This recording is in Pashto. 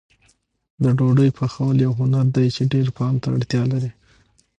د ډوډۍ پخول یو هنر دی چې ډېر پام ته اړتیا لري.